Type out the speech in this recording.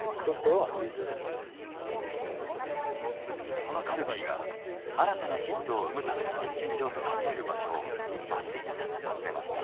そのカルビーが新たなヒットを生むための実験場と考える場所を松下さんが訪ねました。